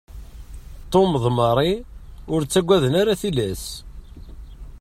Tom d Mary ur ttaggaden ara tillas.